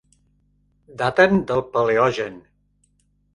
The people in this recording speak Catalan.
Daten del paleogen.